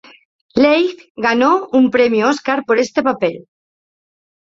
Leigh ganó un premio Oscar por este papel.